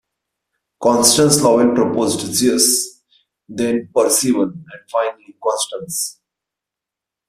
Constance Lowell proposed "Zeus", then "Percival" and finally "Constance".